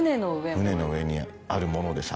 船の上にあるものでさ。